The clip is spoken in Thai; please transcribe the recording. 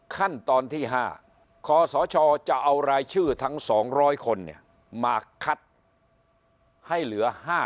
ขั้นตอนที่๕คศจะเอารายชื่อทั้ง๒๐๐คนมาคัดให้เหลือ๕๐๐